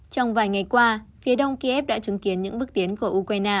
trong vài ngày qua phía đông kiev đã chứng kiến những bước tiến của ukraine